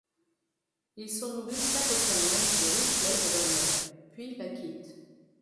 Ils sont nourris quatre semaines du riche lait de leur mère, puis la quittent.